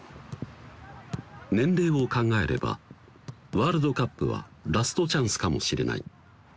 年齢を考えればワールドカップはラストチャンスかもしれない